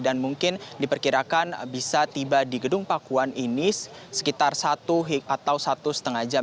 dan mungkin diperkirakan bisa tiba di gedung pakuan ini sekitar satu atau satu lima jam